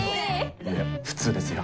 いや普通ですよ。